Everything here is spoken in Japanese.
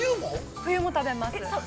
冬も食べます。